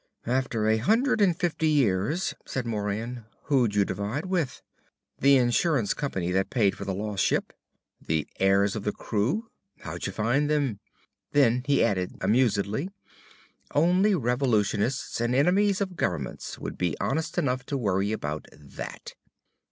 "After a hundred and fifty years," said Moran, "who'd you divide with? The insurance company that paid for the lost ship? The heirs of the crew? How'd you find them?" Then he added amusedly, "Only revolutionists and enemies of governments would be honest enough to worry about that!"